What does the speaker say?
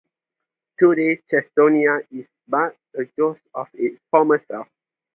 Today, Chestonia is but a ghost of its former self.